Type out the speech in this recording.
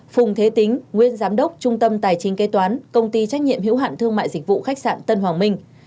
phùng thế tính nguyên giám đốc trung tâm tài chính kế toán công ty trách nhiệm hữu hạn thương mại dịch vụ khách sạn tân hoàng minh